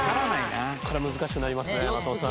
難しくなりますね松本さん。